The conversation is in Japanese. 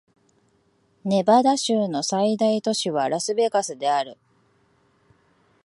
ネバダ州の最大都市はラスベガスである